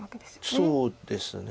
そうですね。